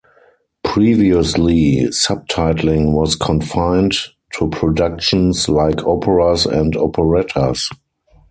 Previously, subtitling was confined to productions like operas and operettas.